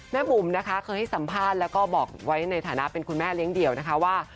บุ๋มนะคะเคยให้สัมภาษณ์แล้วก็บอกไว้ในฐานะเป็นคุณแม่เลี้ยงเดี่ยวนะคะว่า